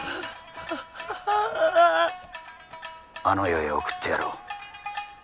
あの世へ送ってやろう。